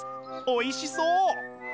おいしそう！